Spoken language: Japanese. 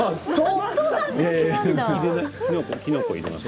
きのこを入れます。